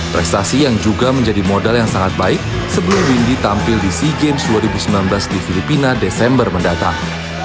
prestasi yang juga menjadi modal yang sangat baik sebelum windy tampil di sea games dua ribu sembilan belas di filipina desember mendatang